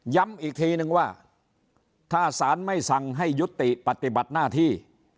ย้ำอีกทีนึงว่าถ้าสารไม่สั่งให้ยุติปฏิบัติหน้าที่